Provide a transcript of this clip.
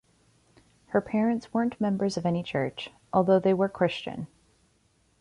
Her parents weren't members of any church, although they were Christian.